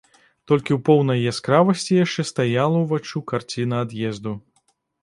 Толькі ў поўнай яскравасці яшчэ стаяла ўваччу карціна ад'езду.